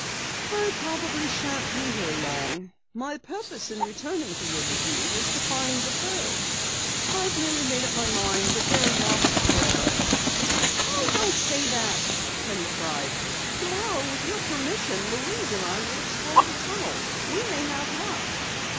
"I probably shan't be here long. My purpose in returning to Riverview was to find the pearls. I've nearly made up my mind that they are lost forever." "Oh, don't say that!" Penny cried. "Tomorrow, with your permission, Louise and I will explore the tunnel. We may have luck."